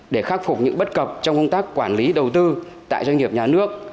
để khắc phục những bất cập trong công tác quản lý đầu tư tại doanh nghiệp nhà nước